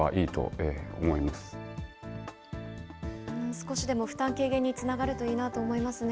少しでも負担軽減につながるといいなと思いますね。